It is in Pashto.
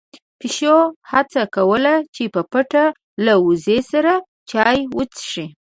پيشو هڅه کوله چې په پټه له وزې سره چای وڅښي.